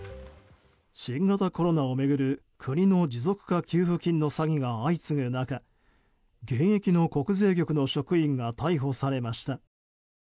新型コロナを巡る国の持続化給付金の詐欺が相次ぐ中現役の国税局の職員が逮捕されました。